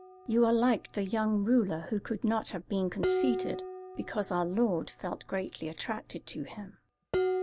You are like the young ruler, who could not have been conceited because our Lord felt greatly attracted to him."